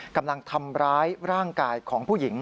กำลังทำร้ายร่างกายของผู้หญิง